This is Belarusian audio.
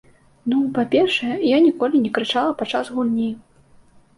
Ну, па-першае, я ніколі не крычала падчас гульні.